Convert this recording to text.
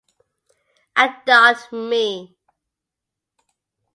Adopt Me!